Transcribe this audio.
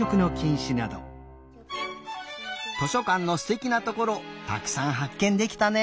図書かんのすてきなところたくさんはっけんできたね。